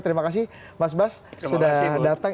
terima kasih mas bas sudah datang